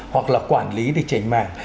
hoặc là quản lý để tránh mạng